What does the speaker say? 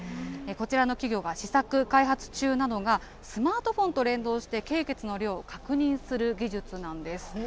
こちらの企業が試作、開発中なのが、スマートフォンと連動して経血の量を確認する技術なんです。